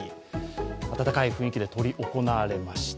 温かい雰囲気で執り行われました。